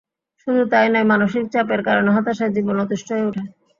শুধু তা-ই নয়, মানসিক চাপের কারণে হতাশায় জীবন অতিষ্ঠ হয়ে ওঠে।